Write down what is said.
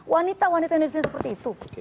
wanita wanita indonesia seperti itu